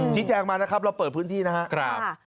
ชี้แจงมานะครับเราเปิดพื้นที่นะครับ